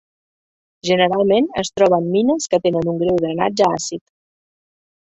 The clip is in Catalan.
Generalment es troba en mines que tenen un greu drenatge àcid.